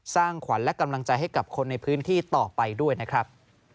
สร้างขวัญและกำลังใจให้กับคนในพื้นที่ต่อไปด้วยนะครับ